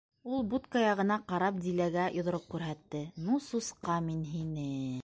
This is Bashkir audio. — Ул будка яғына ҡарап Диләгә йоҙроҡ күрһәтте: — Ну сусҡа, мин һине!